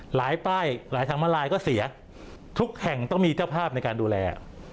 หลายป้ายหลายทางมาลายก็เสียทุกแห่งต้องมีเจ้าภาพในการดูแล